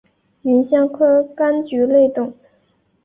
芸香科柑橘类等。